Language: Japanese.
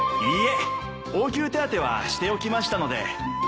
いいえ応急手当はしておきましたので